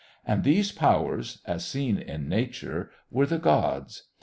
And these Powers, as seen in Nature, were the gods.